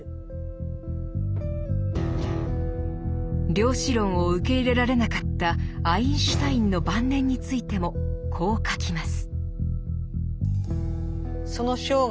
量子論を受け入れられなかったアインシュタインの晩年についてもこう書きます。